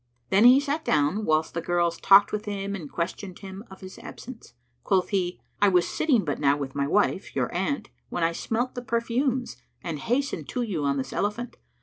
Then he sat down, whilst the girls talked with him and questioned him of his absence. Quoth he, "I was sitting but now with my wife, your aunt, when I smelt the perfumes and hastened to you on this elephant.